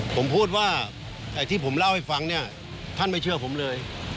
ผมพูดว่าแต่ที่ผมเล่าให้ฟังเนี่ยท่านไม่เชื่อผมเลย